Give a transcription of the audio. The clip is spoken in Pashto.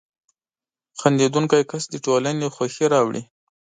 • خندېدونکی کس د ټولنې خوښي راوړي.